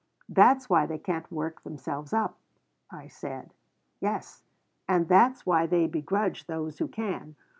That's why they can't work themselves up," I said. "Yes, and that's why they begrudge those who can.